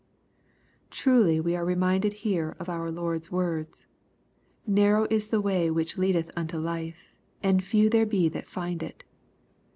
Truly we are reminded here of our Lord's words, " Narrow is the way which leadeth unto life, and few there be that find it."